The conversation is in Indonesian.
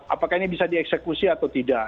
apakah ini bisa dieksekusi atau tidak